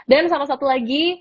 dan sama satu lagi